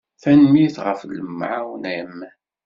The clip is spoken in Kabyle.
Tanemmirt ɣef lemɛawna-m.